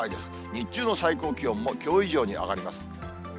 日中の最高気温もきょう以上に上がります。